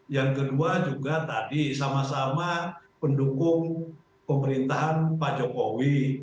yang kedua juga tadi sama sama pendukung pemerintahan pak jokowi